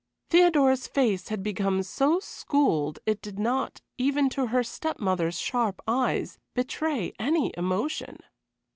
Theodora's face had become so schooled it did not, even to her step mother's sharp eyes, betray any emotion.